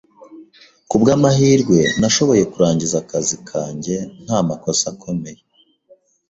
Kubwamahirwe nashoboye kurangiza akazi kanjye nta makosa akomeye.